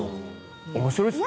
面白いですね。